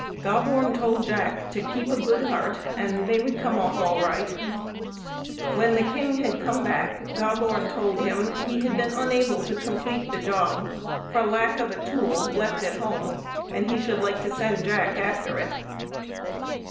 Gobborn told Jack to keep a good heart, and they would come off all right. When the king had come back Gobborn told him he had been unable to complete the job for lack of a tool left at home, and he should like to send Jack after it.